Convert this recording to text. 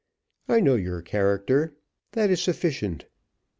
I know your character, that is sufficient.